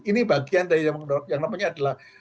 ini bagian dari yang namanya adalah